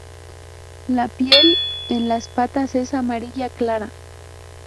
La piel en las patas es amarilla clara.